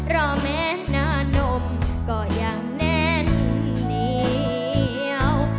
รอแม้นานมก็ยังแน่นเหนียว